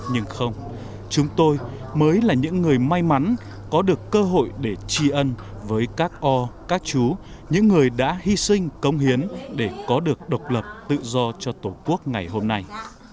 nhưng không chúng tôi mới là những người may mắn có được cơ hội để tri ân với các o các chú những người đã hy sinh công hiến để có được độc lập tự do cho tổ quốc ngày hôm nay